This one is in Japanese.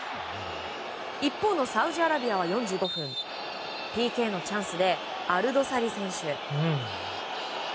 一方のサウジアラビアは４５分ＰＫのチャンスでアルドサリ選手。